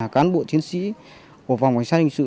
cán bộ chiến sĩ của vòng quản sát hình sự